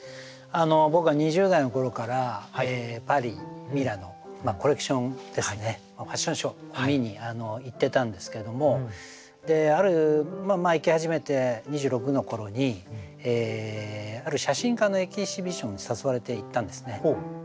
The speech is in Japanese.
僕が２０代の頃からパリミラノコレクションですねファッションショーを見に行ってたんですけども行き始めて２６の頃にある写真家のエキシビションに誘われて行ったんですね。